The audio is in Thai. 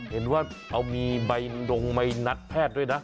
เห็นว่ามีโรงไมนัดแพทย์ด้วยนะ